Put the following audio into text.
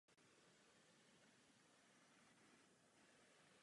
Paní komisařka by se neměla bát, že otevírá Pandořinu skříňku!